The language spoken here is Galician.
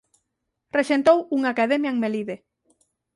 Rexentou unha academia en Melide.